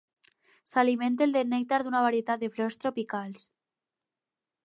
S'alimenten del nèctar d'una varietat de flors tropicals.